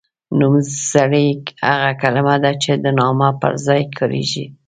نومځری هغه کلمه ده چې د نامه پر ځای کاریږي.